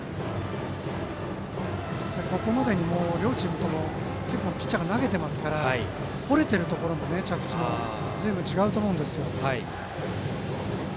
ここまでに両チームとも結構ピッチャーが投げているので着地の、掘れているところもずいぶん違うと思うんですよ。